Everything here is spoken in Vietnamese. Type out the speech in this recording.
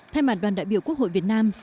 thay mặt đoàn đại biểu quốc hội việt nam